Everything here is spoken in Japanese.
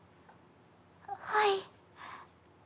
はい。